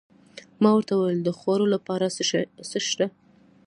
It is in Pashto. ما ورته وویل: د خوړو لپاره څه شته؟